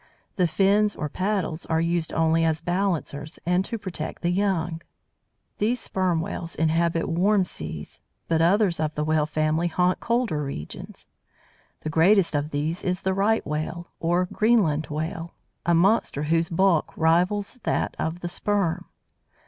The fins, or paddles, are used only as balancers, and to protect the young. These Sperm Whales inhabit warm seas, but others of the Whale family haunt colder regions. The greatest of these is the Right Whale, or Greenland Whale, a monster whose bulk rivals that of the Sperm.